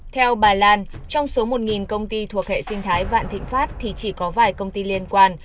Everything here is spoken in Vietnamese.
theo bà lan trong số một công ty thuộc hệ sinh thái vạn thịnh pháp thì chỉ có vài công ty liên quan